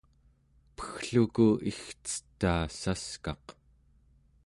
peggluku igcetaa saskaq